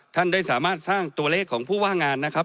ท่านได้สามารถสร้างตัวเลขของผู้ว่างานนะครับ